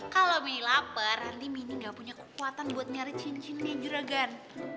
kalau mini lapar andi mini gak punya kekuatan buat nyari cincinnya juragan